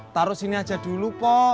taruh sini aja dulu kok